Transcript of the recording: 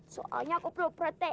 soalnya aku perlu protein